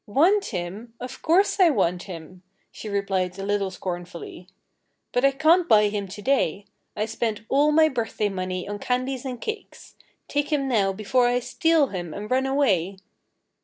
"Want him? Of course, I want him!" she replied a little scornfully. "But I can't buy him to day. I spent all my birthday money on candies and cakes. Take him now before I steal him and run away."